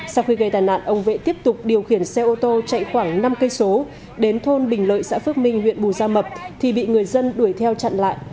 sau khi gây tai nạn ông vệ tiếp tục điều khiển xe ô tô chạy khoảng năm km đến thôn bình lợi xã phước minh huyện bù gia mập thì bị người dân đuổi theo chặn lại